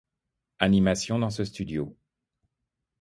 Animation dans ce studio.